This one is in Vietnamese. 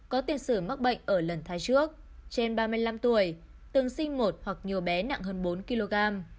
có tiền sử mắc bệnh ở lần thai trước trên ba mươi năm tuổi từng sinh một hoặc nhiều bé nặng hơn bốn kg